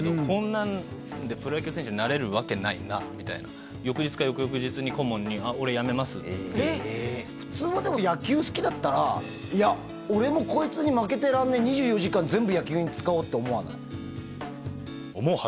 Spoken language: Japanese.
こんなんでプロ野球選手なれるわけないなみたいな翌日か翌々日に顧問に「俺やめます」って普通はでも野球好きだったらいや俺もこいつに負けてらんねえ２４時間全部野球に使おうって思わない？